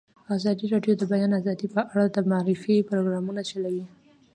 ازادي راډیو د د بیان آزادي په اړه د معارفې پروګرامونه چلولي.